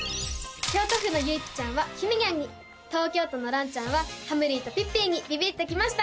京都府のゆいぴちゃんはひめにゃんに東京都のらんちゃんははむりぃとぴっぴぃにビビッときました。